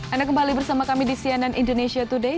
anda kembali bersama kami di cnn indonesia today